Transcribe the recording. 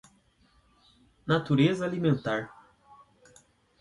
natureza alimentar